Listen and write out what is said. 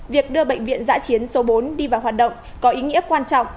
việc đưa bệnh viện giã chiến số bốn đi vào hoạt động có ý nghĩa quan trọng